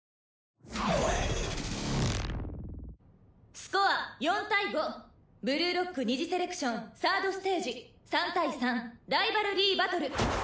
「スコア４対５」「ブルーロック二次セレクション３ｒｄステージ３対３ライバルリー・バトル」